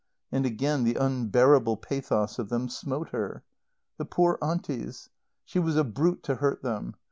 And again the unbearable pathos of them smote her. The poor Aunties. She was a brute to hurt them.